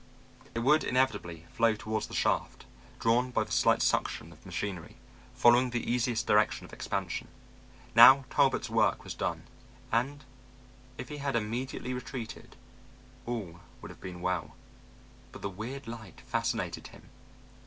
It would inevitably flow towards the shaft, drawn by the slight suction of machinery, following the easiest direction of expansion. Now Talbot's work was done, and if he had immediately retreated all would have been well, but the weird light fascinated him.